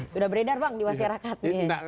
sudah beredar bang di wasyarakat